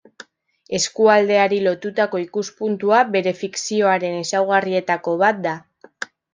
Eskualdeari lotutako ikuspuntua bere fikzioaren ezaugarrietako bat da.